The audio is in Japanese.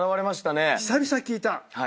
久々聞いた。